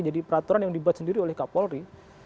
jadi peraturan yang dibuat sendiri oleh kapolri